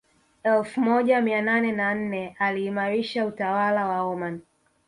Elfu moja mia nane na nne aliimarisha utawala wa Omani